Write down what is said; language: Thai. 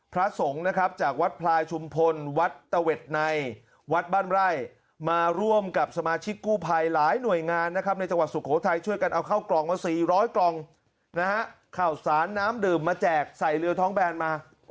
ผมกล้ามพูดเลยประเทศอื่นนะไม่เมียอืม